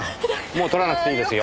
もう撮らなくていいですよ。